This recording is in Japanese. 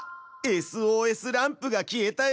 ＳＯＳランプが消えたよ！